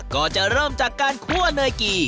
ก็จะเริ่มจากการคั่วเนยกี